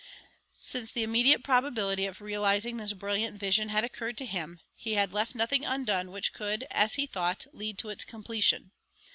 Since the immediate probability of realizing this brilliant vision had occurred to him, he had left nothing undone which could, as he thought, lead to its completion.